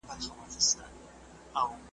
پر منبر دي ډیري توی کړې له مکارو سترګو اوښکي ,